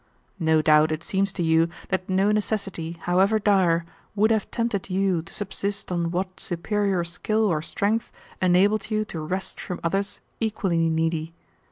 No doubt it seems to you that no necessity, however dire, would have tempted you to subsist on what superior skill or strength enabled you to wrest from others equally needy.